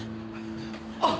あっ！